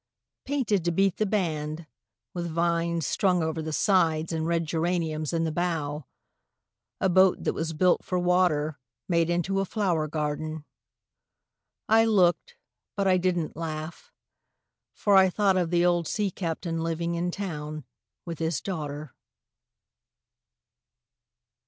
Painted to beat the band, with vines strung over the sides And red geraniums in the bow, a boat that was built for water Made into a flower garden. I looked, but I didn't laugh, For I thought of the old sea captain living in town with his daughter.